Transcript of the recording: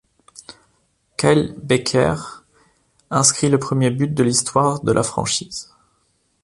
Kyle Bekker inscrit le premier but de l'histoire de la franchise.